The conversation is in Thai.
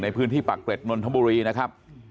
ในพื้นที่ปากเกร็ดนนทะบุรีนะครับ